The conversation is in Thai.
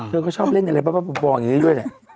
เธอก็ชอบเล่นอะไรบ้าอย่างนี้ด้วยแหละ